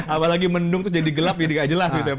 apalagi mendung itu jadi gelap jadi tidak jelas